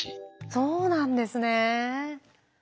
そうなんですね。